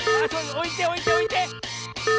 おいておいておいて！